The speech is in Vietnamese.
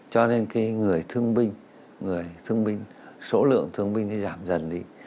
cho nên cái người thương binh số lượng thương binh giảm dần đi